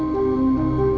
tidak ada yang tahu